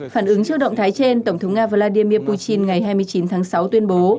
phản ứng trước động thái trên tổng thống nga vladimir putin ngày hai mươi chín tháng sáu tuyên bố